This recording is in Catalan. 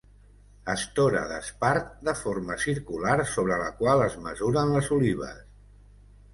Estora d'espart de forma circular sobre la qual es mesuren les olives.